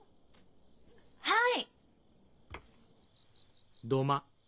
はい。